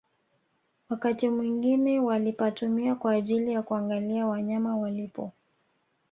Wakati mwingie walipatumia kwa ajili ya kuangalia wanyama walipo